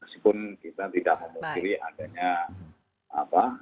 meskipun kita tidak memungkiri adanya apa